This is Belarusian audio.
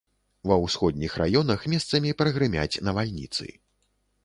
Ва ўсходніх раёнах месцамі прагрымяць навальніцы.